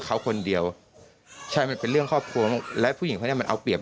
เขาคนเดียวใช่มันเป็นเรื่องครอบครัวและผู้หญิงคนนี้มันเอาเปรียบ